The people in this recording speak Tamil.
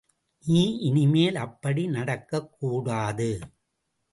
நீ இனிமேல் அப்படி நடக்கக் கூடாது.